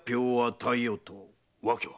訳は？